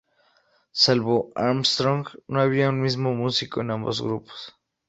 Salvo Armstrong, no había un mismo músico en ambos grupos.